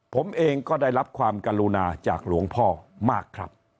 ผมเองก็ได้รับความกรุณาจากหลวงพ่อมากครับ